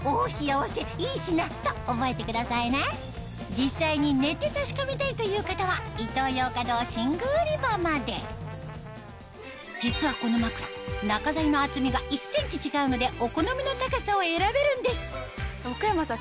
実際に寝て確かめたいという方は実はこの枕中材の厚みが１ｃｍ違うのでお好みの高さを選べるんです奥山さん